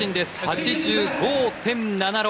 ８５．７６。